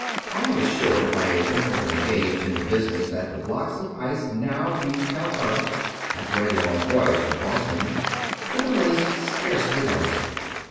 I am assured by a gentleman engaged in the business that the blocks of ice now reach Calcutta, after the long voyage from Boston, with a waste scarcely noticeable.